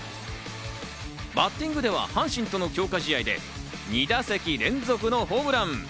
バッティングでは阪神との強化試合で２打席連続のホームラン。